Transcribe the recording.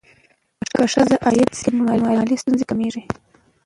که ښځه عاید زیات کړي، نو مالي ستونزې کمېږي.